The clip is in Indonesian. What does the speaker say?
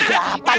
ada apa tempat ini